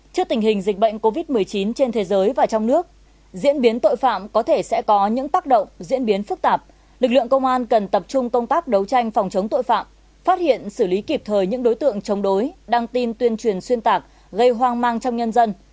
trước tình hình dịch bệnh covid một mươi chín trên thế giới và trong nước diễn biến tội phạm có thể sẽ có những tác động diễn biến phức tạp lực lượng công an cần tập trung công tác đấu tranh phòng chống tội phạm phát hiện xử lý kịp thời những đối tượng chống đối đăng tin tuyên truyền xuyên tạc gây hoang mang trong nhân dân